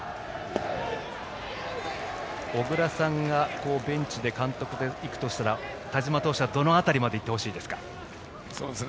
小倉さんがベンチで監督で行くとしたら田嶋投手はどの辺りまでいってほしいですか。